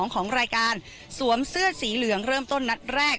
ของรายการสวมเสื้อสีเหลืองเริ่มต้นนัดแรก